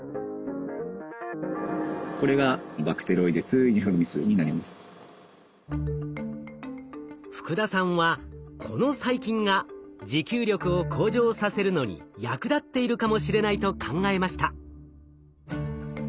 これが福田さんはこの細菌が持久力を向上させるのに役立っているかもしれないと考えました。